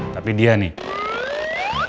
tapi dia nih